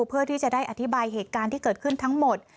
เพื่อที่จะได้อธิบายเหตุการณ์ที่เกิดขึ้นทั้งหมด